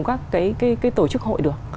các cái tổ chức hội được